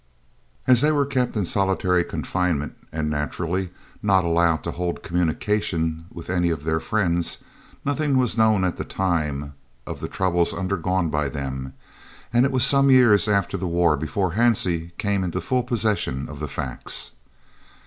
As they were kept in solitary confinement and naturally not allowed to hold communication with any of their friends, nothing was known at the time of the troubles undergone by them, and it was some years after the war before Hansie came into full possession of the facts.